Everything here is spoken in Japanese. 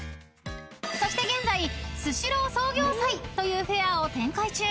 ［そして現在スシロー創業祭というフェアを展開中］